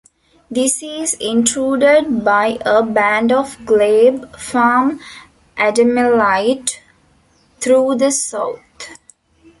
This is intruded by a band of Glebe Farm Adamellite through the south.